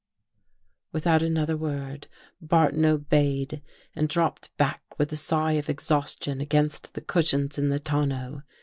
Without another word Barton obeyed and dropped back with a sigh of exhaustion against the cushions in the tonneau.